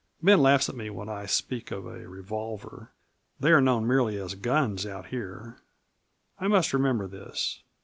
Ben laughs at me when I speak of a 'revolver'; they are known merely as 'guns' out here. I must remember this.